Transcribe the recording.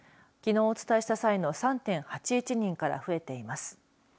きのうお伝えした際の３．８１人から増えています。